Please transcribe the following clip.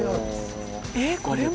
えっこれも？